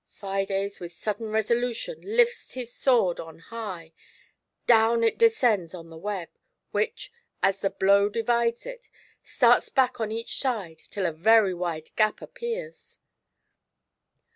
Fides with sudden resolution lifts his sword on high, down it descends on the web, which, as the blow divides it, starts back on each side till a very wide gap appears.